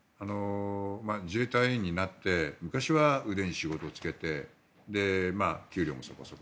自衛隊員になって昔は腕に仕事をつけて給料もそこそこ。